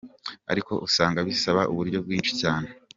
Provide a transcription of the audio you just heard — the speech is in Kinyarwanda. Ariko usanga bisaba uburyo bwinshi cane'.